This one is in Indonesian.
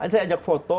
saya ajak foto